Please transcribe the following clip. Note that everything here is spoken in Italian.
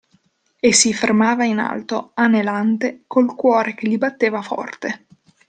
E si fermava in alto, anelante, col cuore che gli batteva forte.